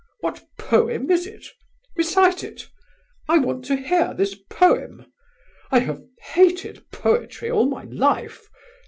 What poem is it? Recite it! I want to hear this poem! I have hated poetry all my life.